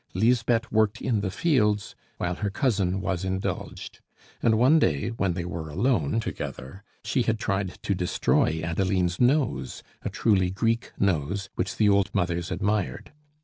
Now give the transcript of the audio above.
Lisbeth worked in the fields, while her cousin was indulged; and one day, when they were alone together, she had tried to destroy Adeline's nose, a truly Greek nose, which the old mothers admired.